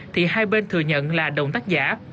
thì hai bên thừa nhận là đồng tác giả